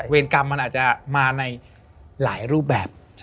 กรรมมันอาจจะมาในหลายรูปแบบ